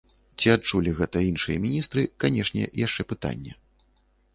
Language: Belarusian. Ці адчулі гэта іншыя міністры, канешне, яшчэ пытанне.